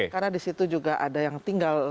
karena di situ juga ada yang tinggal